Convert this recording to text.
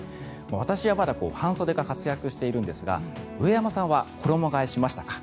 私はまだ半袖が活躍しているんですが上山さんは衣替えしましたか？